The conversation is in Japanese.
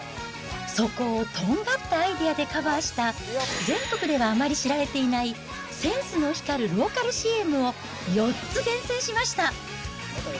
そこをとんがったアイデアでカバーした全国ではあまり知られていない、センスの光るローカルＣＭを４つ厳選しました。